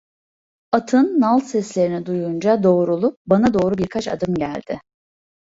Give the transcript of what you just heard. Atın nal seslerini duyunca doğrulup bana doğru birkaç adım geldi.